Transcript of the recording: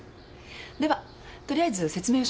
ではとりあえず説明をします。